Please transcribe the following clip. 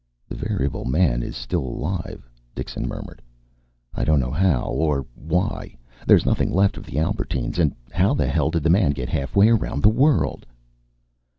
"The variable man is still alive," Dixon murmured. "I don't know how. Or why. There's nothing left of the Albertines. And how the hell did the man get half way around the world?"